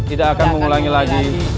tidak akan mengulangi lagi